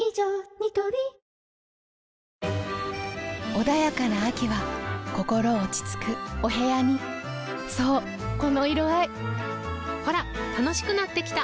ニトリ穏やかな秋は心落ち着くお部屋にそうこの色合いほら楽しくなってきた！